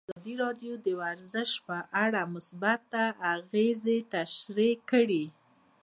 ازادي راډیو د ورزش په اړه مثبت اغېزې تشریح کړي.